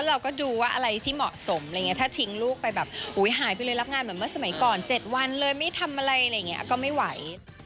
เราก็ดูว่าอะไรที่เหมาะสมถ้าทิ้งลูกไปแบบหายไปเลยรับงานเหมือนเมื่อสมัยก่อน๗วันไม่ทำอะไรก็ไม่ไหว